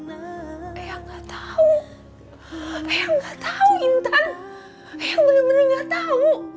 ayang gak tau ayang gak tau intan ayang bener bener gak tau